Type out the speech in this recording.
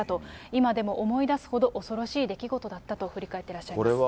今でも思い出すほど恐ろしい出来事だったと振り返っています。